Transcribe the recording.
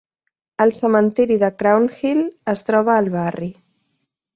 El cementiri de Crown Hill es troba al barri.